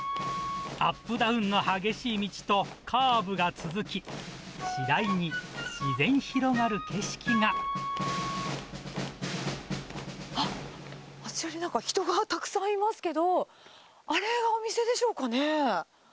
アップダウンの激しい道とカーブが続き、あっ、あちらになんか、人がたくさんいますけど、あれがお店でしょうかね。